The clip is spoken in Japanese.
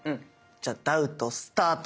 じゃ「ダウト」スタート！